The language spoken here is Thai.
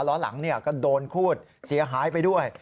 ล้อหลังก็โดนคูดเสียหายไปด้วย